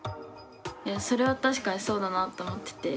いやそれは確かにそうだなと思ってて。